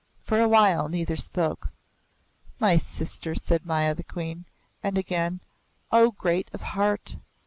For a while neither spoke. "My sister!" said Maya the Queen. And again, "O great of heart!"